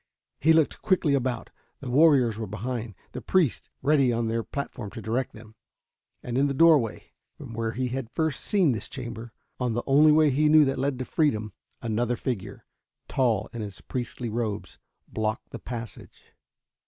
He looked quickly about. The warriors were behind, the priests ready on their platform to direct them. And in the doorway, from where he first had seen this chamber, on the only way he knew that led to freedom, another figure, tall in its priestly robes, blocked the passage.